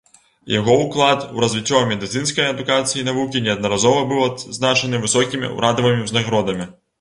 Яго ўклад у развіццё медыцынскай адукацыі і навукі неаднаразова быў адзначаны высокімі ўрадавымі ўзнагародамі.